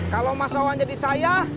kalau mas wawan jadi saya